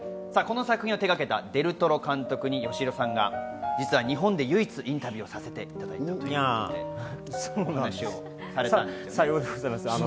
この作品を手がけたデル・トロ監督によしひろさんが日本で唯一インタビューをさせていただいたんです。